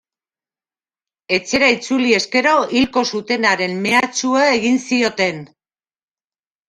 Etxera itzuli ezkero hilko zutenaren mehatxua egin zioten.